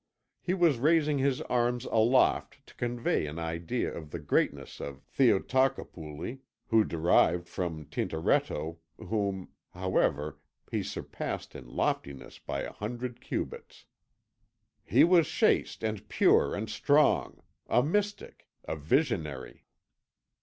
He was raising his arms aloft to convey an idea of the greatness of Theotocopuli, who derived from Tintoretto, whom, however, he surpassed in loftiness by a hundred cubits. "He was chaste and pure and strong; a mystic, a visionary."